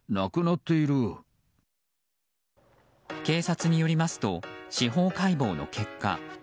警察によりますと司法解剖の結果